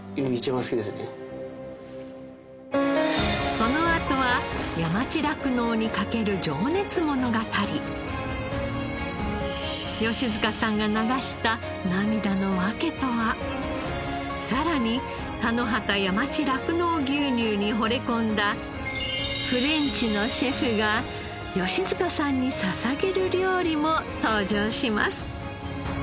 このあとは吉塚さんが流したさらに田野畑山地酪農牛乳にほれ込んだフレンチのシェフが吉塚さんに捧げる料理も登場します。